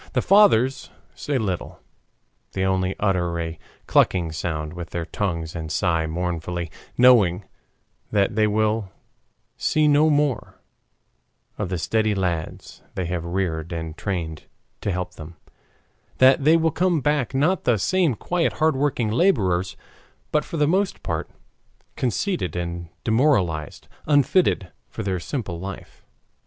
The fathers say little. They only utter a clucking sound with their tongues and sigh mournfully, knowing that they will see no more of the steady lads they have reared and trained to help them, that they will come back not the same quiet hard working laborers, but for the most part conceited and demoralized, unfitted for their simple life.